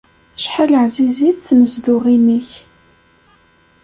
Acḥal ɛzizit tnezduɣin-ik!